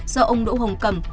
do ông đỗ hồng cầm